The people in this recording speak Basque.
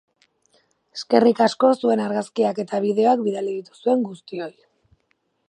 Eskerrik asko zuen argazkiak eta bideoak bidali dituzuen guztioi.